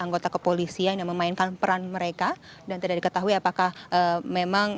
anggota kepolisian yang memainkan peran mereka dan tidak diketahui apakah memang